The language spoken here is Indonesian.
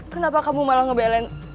kenapa kamu malah ngebelain